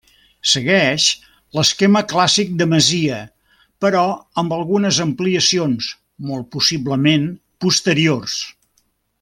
Segueix l'esquema clàssic de masia però amb algunes ampliacions, molt possiblement posteriors.